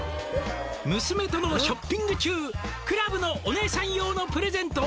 「娘とのショッピング中クラブのお姉さん用のプレゼントを」